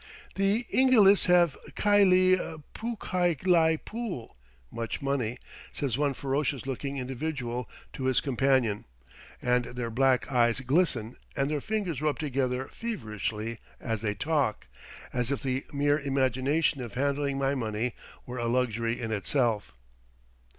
"The Ingilis have khylie pool k h y lie pool!" (much money) says one ferocious looking individual to his companion, and their black eyes glisten and their fingers rub together feverishly as they talk, as if the mere imagination of handling my money were a luxury in itself.